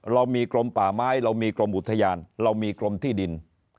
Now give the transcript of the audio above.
เรามีกรมป่าไม้เรามีกรมอุทยานเรามีกรมที่ดิน